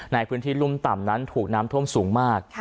ในพื้นที่รุ่มต่ำนั้นถูกน้ำท่วมสูงมาก